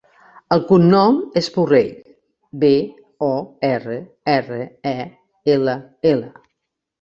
El cognom és Borrell: be, o, erra, erra, e, ela, ela.